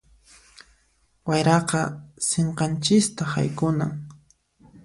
Wayraqa sinqanchista haykunan.